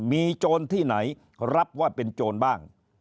มีโจรที่ไหนรับว่าเป็นโจรบ้าง